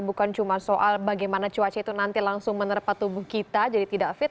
bukan cuma soal bagaimana cuaca itu nanti langsung menerpa tubuh kita jadi tidak fit